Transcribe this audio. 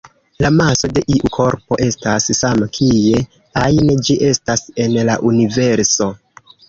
La maso de iu korpo estas sama kie ajn ĝi estas en la universo.